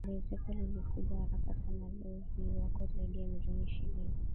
Ongezeko lilikuja haraka sanaLeo hii wako zaidi ya milioni ishirini